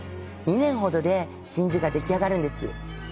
２年ほどで真珠が出来上がるんです。